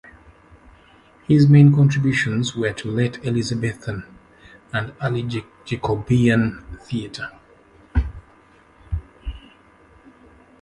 His main contributions were to late Elizabethan and early Jacobean theatre.